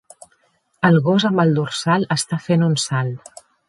El gos amb el dorsal està fent un salt